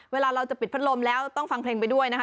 เวลาเราจะปิดพัดลมแล้วต้องฟังเพลงไปด้วยนะคะ